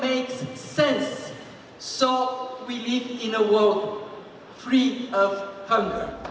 jadi kita hidup di dunia tanpa kegiatan